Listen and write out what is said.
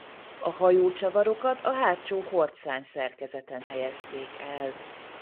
A hajócsavarokat a hátsó hordszárny-szerkezeten helyezték el.